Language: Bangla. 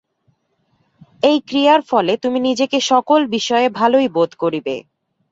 এই ক্রিয়ার ফলে তুমি নিজেকে সকল বিষয়ে ভালই বোধ করিবে।